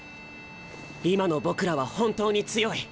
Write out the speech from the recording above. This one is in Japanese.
今の僕らは本当に強い。